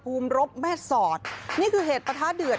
กลุ่มน้ำเบิร์ดเข้ามาร้านแล้ว